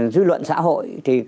dư luận xã hội